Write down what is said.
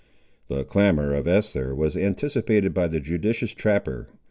The clamour of Esther was anticipated by the judicious trapper.